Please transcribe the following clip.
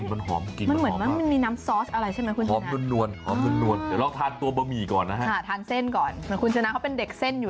โอ้โหครอบเลยเครื่องแน่นมากเนี่ยค่ะ